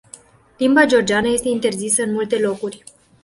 Limba georgiană este interzisă în multe locuri.